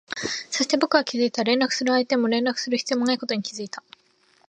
そして、僕は気づいた、連絡する相手も連絡する必要もないことに気づいた